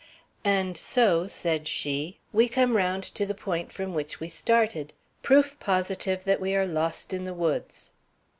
"And so," said she, "we come around to the point from which we started proof positive that we are lost in the woods."